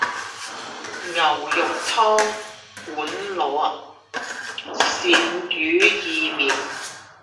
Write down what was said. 牛肉湯、碗粿、鱔魚意麵